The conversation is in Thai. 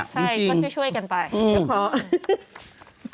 จริงใช่ก็จะช่วยกันไปอืมขอ